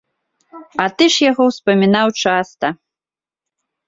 А ты ж яго ўспамінаў часта!